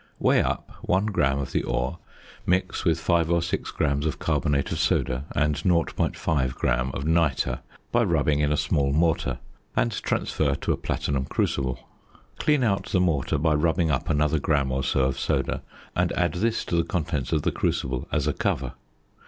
~ Weigh up 1 gram of the ore, mix with 5 or 6 grams of carbonate of soda and 0.5 gram of nitre by rubbing in a small mortar, and transfer to a platinum crucible. Clean out the mortar by rubbing up another gram or so of soda, and add this to the contents of the crucible as a cover.